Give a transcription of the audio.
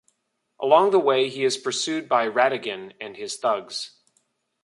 Along the way he is pursued by Ratigan and his thugs.